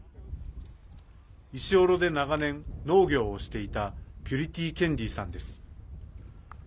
イシオロで長年、農業をしていたピュリティ・ケンディさんです。